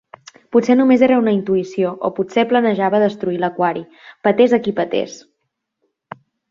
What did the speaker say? Potser només era una intuïció, o potser planejava destruir l'aquari, petés a qui petés.